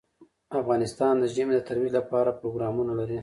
افغانستان د ژمی د ترویج لپاره پروګرامونه لري.